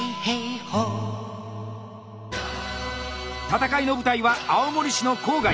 戦いの舞台は青森市の郊外。